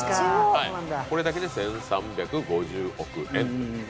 これだけで１３５０億円という。